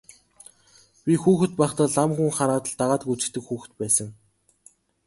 Би хүүхэд байхдаа лам хүн хараад л дагаад гүйчихдэг хүүхэд байсан.